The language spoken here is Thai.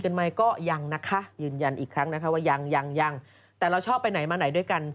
กันไหมก็ยังนะคะยืนยันอีกครั้งนะคะว่ายังยังแต่เราชอบไปไหนมาไหนด้วยกัน